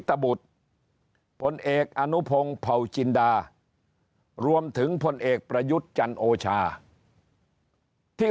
บุตรพลเอกอนุพงศ์เผาจินดารวมถึงพลเอกประยุทธ์จันโอชาที่